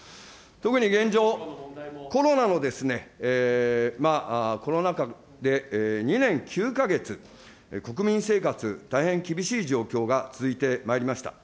特に現状、コロナの、コロナ禍で２年９か月、国民生活、大変厳しい状況が続いてまいりました。